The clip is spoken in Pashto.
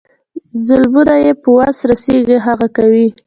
ظلمونه یې په وس رسیږي هغه کوي.